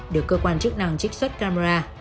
được cơ quan chức năng trích xuất camera